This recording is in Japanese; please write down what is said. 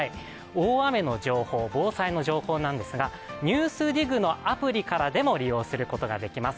大雨の情報、防災の情報なんですが、「ＮＥＷＳＤＩＧ」のアプリからでも利用することができます。